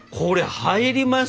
入ります。